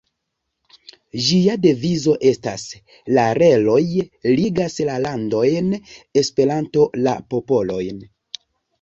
Ĝia devizo estas: ""La reloj ligas la landojn, Esperanto la popolojn.